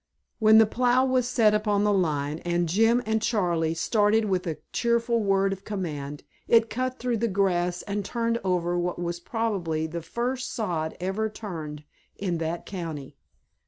When the plow was set upon the line and Jim and Charley started with a cheerful word of command it cut through the grass and turned over what was probably the first sod ever turned in that county.